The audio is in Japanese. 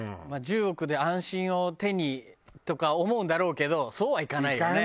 １０億で安心を手にとか思うんだろうけどそうはいかないよね。